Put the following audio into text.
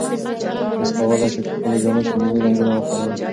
تاسي کولای شئ په خپلو جامو کې ملي رنګونه وکاروئ.